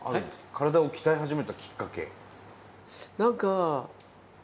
体を鍛え始めたきっかけ。